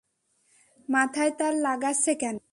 মাথায় তার লাগাচ্ছে কেন?